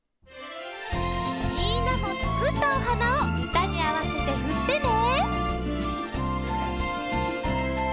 みんなもつくったお花をうたにあわせてふってね！